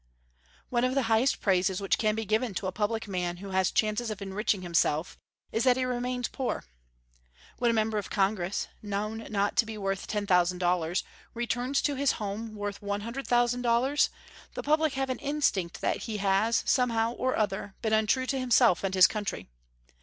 One of the highest praises which can be given to a public man who has chances of enriching himself is, that he remains poor. When a member of Congress, known not to be worth ten thousand dollars, returns to his home worth one hundred thousand dollars, the public have an instinct that he has, somehow or other, been untrue to himself and his country.